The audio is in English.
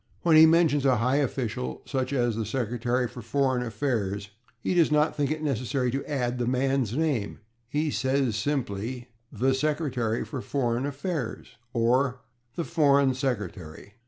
When he mentions a high official, such as the Secretary for Foreign Affairs, he does not think it necessary to add the man's name; he simply says "the Secretary for Foreign Affairs" or "the Foreign Secretary."